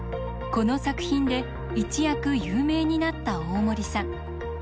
この作品で一躍有名になった大森さん。